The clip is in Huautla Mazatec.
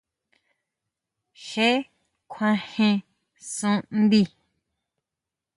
Je kjuajen sun ndí.